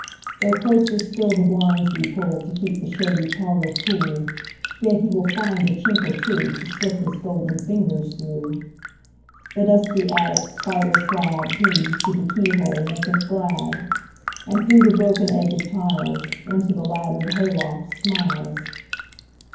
Though closer still the blinds we pullTo keep the shady parlour cool, Yet he will find a chink or twoTo slip his golden fingers through. The dusty attic spider cladHe, through the keyhole, maketh glad; And through the broken edge of tiles, Into the laddered hay loft smiles.